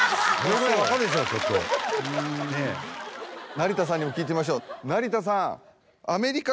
成田さんにも聞いてみましょう成田さん。